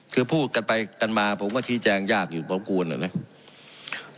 คือพูดกันไปกันมาผมก็ชี้แจงยากอยู่บรมกูลนะเนี่ย